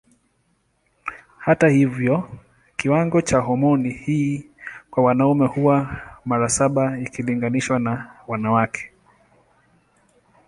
Hata hivyo kiwango cha homoni hii kwa wanaume huwa mara saba ikilinganishwa na wanawake.